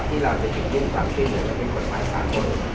ที่เราจะเก็บขึ้นความที่เหนือและเป็นกฎหมายสามคน